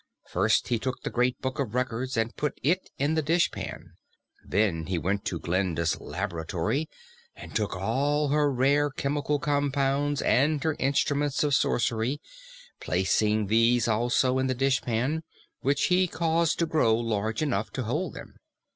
First he took the Great Book of Records and put it in the dishpan. Then he went to Glinda's laboratory and took all her rare chemical compounds and her instruments of sorcery, placing these also in the dishpan, which he caused to grow large enough to hold them.